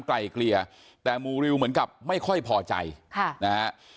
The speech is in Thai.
ไกลเกลี่ยแต่หมู่ริวเหมือนกับไม่ค่อยพอใจค่ะนะฮะ